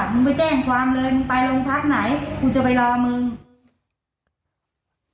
มึงไปแจ้งความเลยมึงไปโรงพักไหนกูจะไปรอมึง